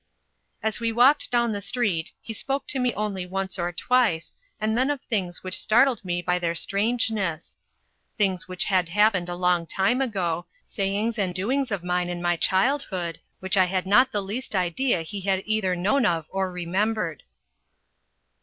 As we walked down the street he spoke to me only once or twice, and then of things which startled me by their strangeness things which had happened a long time ago; sayings and doings of mine in my childhood, which I had not the least idea he had either known of or remembered.